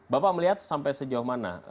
bapak melihat sampai sejauh mana